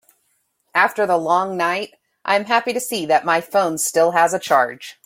After the long night, I am happy to see that my phone still has a charge.